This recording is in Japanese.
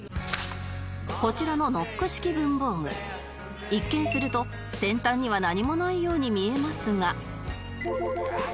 こちらのノック式文房具一見すると先端には何もないように見えますが